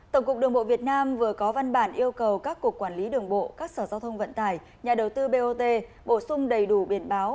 tổng cục đường bộ việt nam vừa có văn bản yêu cầu các cục quản lý đường bộ các sở giao thông vận tải nhà đầu tư bot bổ sung đầy đủ biển báo